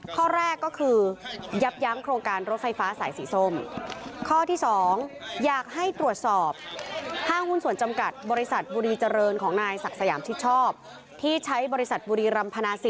ข้อแรกก็คือยับยั้งโครงการรถไฟฟ้าสายสีส้ม